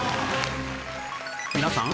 皆さん